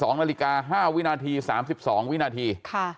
๒นาฬิกา๕วินาที๓๒วินาที